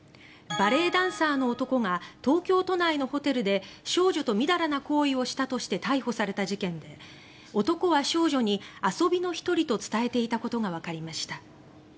バレエダンサーの男が東京都内のホテルで少女とみだらな行為をしたとして逮捕された事件で男は少女に遊びの１人と伝えていたことがわかりました。